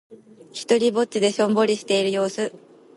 ひとりっぼちでしょんぼりしている様子。